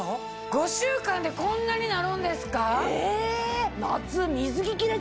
５週間でこんなになるんですか！